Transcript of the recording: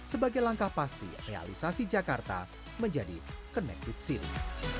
sebagai langkah pasti realisasi jakarta menjadi connected city